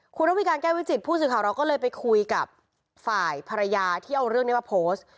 คุณระวิการแก้วิจิตผู้สื่อข่าวเราก็เลยไปคุยกับฝ่ายภรรยาที่เอาเรื่องนี้มาโพสต์